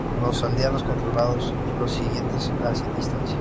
Los aldeanos controlados los siguieron a distancia.